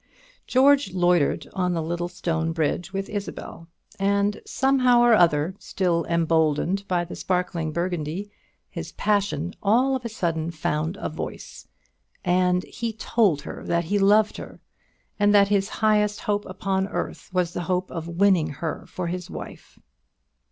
George loitered on the little stone bridge with Isabel, and somehow or other, still emboldened by the sparkling Burgundy, his passion all of a sudden found a voice, and he told her that he loved her, and that his highest hope upon earth was the hope of winning her for his wife.